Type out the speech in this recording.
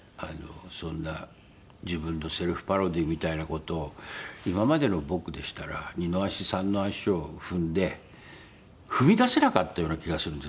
そんな自分のセルフパロディーみたいな事を今までの僕でしたら二の足三の足を踏んで踏み出せなかったような気がするんです。